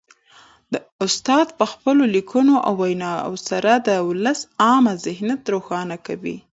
استاد په خپلو لیکنو او ویناوو سره د ولس عامه ذهنیت روښانه کوي.